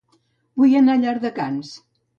Vull anar a Llardecans